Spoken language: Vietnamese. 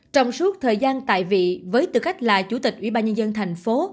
trong suốt thời gian tại vị với tư cách là chủ tịch ủy ban nhân dân thành phố